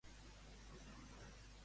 Quin fet li va permetre ser alcaldessa?